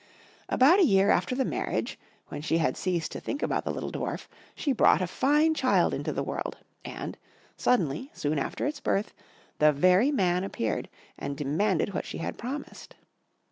About a year after the marriage, when she had ceased to think about the little Dwarf, she brought a fine child into the world; and, suddenly, soon after its birth, the very man appeared and demanded what she had promised.